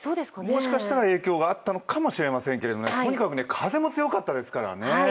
もしかしたら影響があったのかもしれないんですけどとにかく風も強かったですからね。